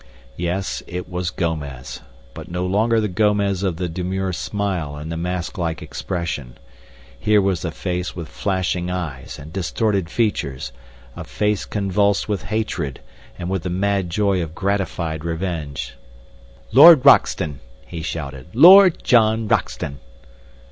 Yes, it was Gomez, but no longer the Gomez of the demure smile and the mask like expression. Here was a face with flashing eyes and distorted features, a face convulsed with hatred and with the mad joy of gratified revenge. "Lord Roxton!" he shouted. "Lord John Roxton!"